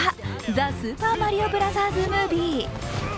「ザ・スーパーマリオブラザーズ・ムービー」